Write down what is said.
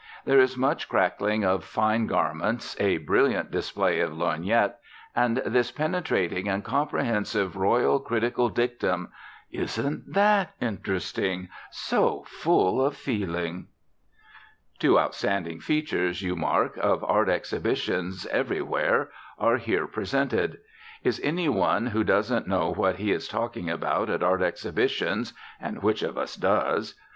There is much crackling of fine garments, a brilliant display of lorgnette, and this penetrating and comprehensive royal critical dictum: "Isn't that interesting! So full of feeling." Two outstanding features, you mark, of art exhibitions everywhere are here presented. Is any one who doesn't know what he is talking about at art exhibitions (and which of us does?)